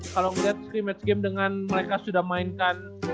kalau ngeliat scrim match game dengan mereka sudah mainkan